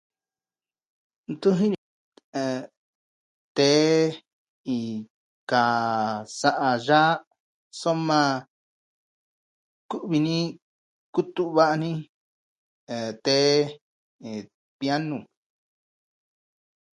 ntu jini ah tee kaa sa'a ya'a soma kuvi ni kutuva'a ni tee pianu